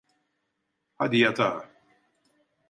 Hadi yatağa.